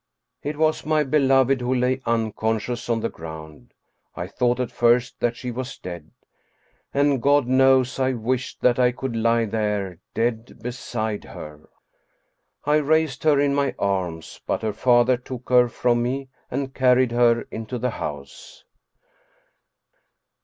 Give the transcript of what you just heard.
It was my beloved who lay unconscious on the ground. I thought at first that she was dead, and God knows I wished that I could lie there dead beside her. I raised her in my arms, but her father took her from me and carried her into the house.